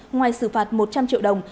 ngoài xử phạt một trăm linh triệu đồng